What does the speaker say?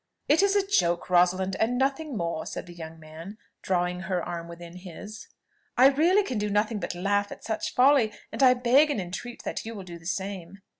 "It is a joke, Rosalind, and nothing more," said the young man, drawing her arm within his. "I really can do nothing but laugh at such folly, and I beg and entreat that you will do the same."